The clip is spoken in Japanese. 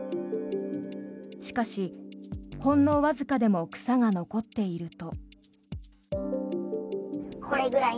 しかし、ほんのわずかでも草が残っていると。